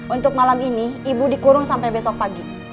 untuk malam ini ibu dikurung sampai besok pagi